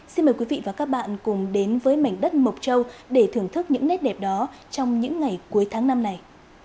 xin mời quý vị và các bạn cùng đến với mảnh đất mộc châu để thưởng thức những nét đẹp đó trong những ngày cuối tháng năm này